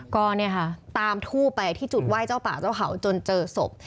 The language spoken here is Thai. ก็เนี่ยค่ะตามทูบไปที่จุดไหว้เจ้าป่าเจ้าเขาจนเจอศพ